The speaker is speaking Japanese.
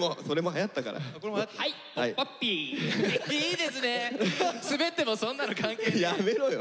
やめろよ！